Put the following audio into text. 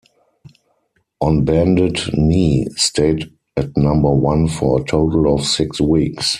"On Bended Knee" stayed at number one for a total of six weeks.